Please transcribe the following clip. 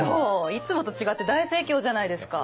いつもと違って大盛況じゃないですか。